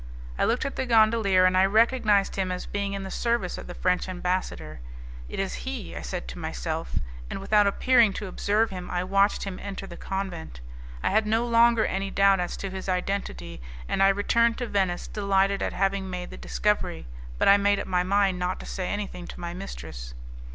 I looked at the gondolier, and I recognized him as being in the service of the French ambassador. "It is he," I said to myself, and without appearing to observe him I watched him enter the convent. I had no longer any doubt as to his identity, and I returned to Venice delighted at having made the discovery, but I made up my mind not to say anything to my mistress.